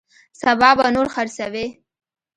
سبا به نور خرڅوي.